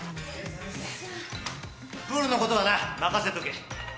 プールのことなら任せとけ。